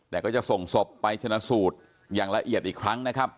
แต่ก็จะส่งศพไปชนะสูตรอย่างละเอียดอีกครั้งนะครับ